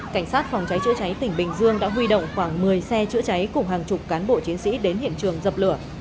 cảnh sát phòng cháy chữa cháy tỉnh bình dương đã huy động khoảng một mươi xe chữa cháy cùng hàng chục cán bộ chiến sĩ đến hiện trường dập lửa